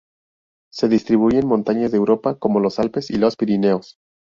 Se distribuye en montañas de Europa como los Alpes y los Pirineos.